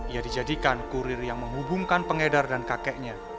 ia dijadikan kurir yang menghubungkan pengedar dan kakeknya